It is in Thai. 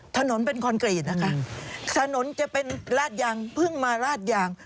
ถนนเป็นคอนกรีตนะคะถนนจะเป็นราดยางเพิ่งมาราดยาง